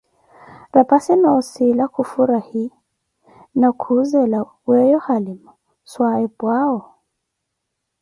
Raphassi nossila khufurahi, na kuhʼzela, weeyo halima swahiphuʼawo?